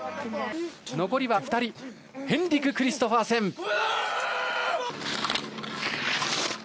残りは２人ヘンリク・クリストファーセン。